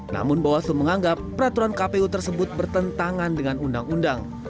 namun bawaslu menganggap peraturan kpu tersebut bertentangan dengan undang undang